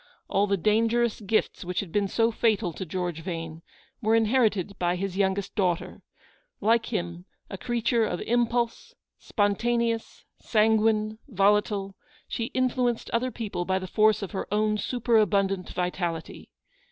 All the dangerous gifts which had been so fatal to George Vane, were inherited by his youngest daughter. Like him, a creature of impulse, spontaneous, san guine, volatile, she influenced other people by the force of her own superabundant vitality.